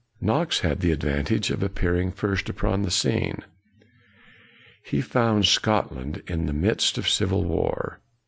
KNOX Knox had the advantage of appearing first upon the scene. He found Scotland in the midst of civil war.